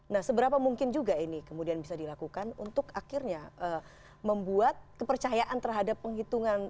nah seberapa mungkin juga ini kemudian bisa dilakukan untuk akhirnya membuat kepercayaan terhadap pemilu ini hanya menjadi hal yang berpengaruh